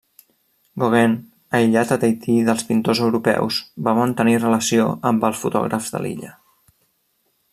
Gauguin, aïllat a Tahití dels pintors europeus, va mantenir relació amb els fotògrafs de l'illa.